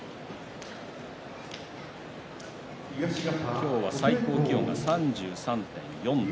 今日は最高気温が３３．４度。